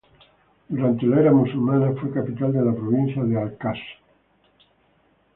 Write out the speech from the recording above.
Durante la era musulmana fue capital de la provincia de "Al-Kassr".